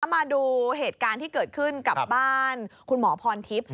มาดูเหตุการณ์ที่เกิดขึ้นกับบ้านคุณหมอพรทิพย์